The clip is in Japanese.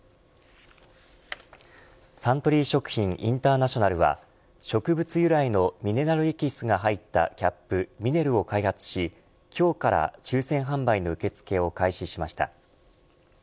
サントリー食品インターナショナルは植物由来のミネラルエキスが入ったキャップｍｉｎｅｌを開発し今日から抽選販売の受け付けを開始しました。